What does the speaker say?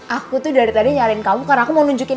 aku tuh dari tadi nyarin kamu karena aku mau nunjukin